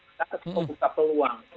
untuk membuka peluang